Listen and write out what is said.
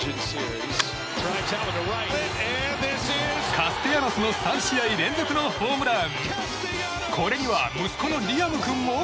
カステヤノスの３試合連続のホームラン。